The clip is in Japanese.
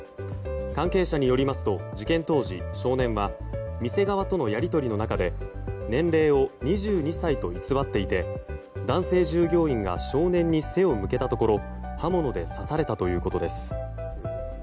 関係者によりますと事件当時、少年は店側とのやり取りの中で年齢を２２歳と偽っていて男性従業員が少年に背を向けたところ刃物で刺されたということです。